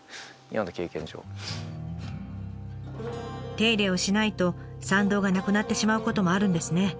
手入れをしないと山道がなくなってしまうこともあるんですね。